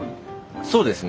そうですね。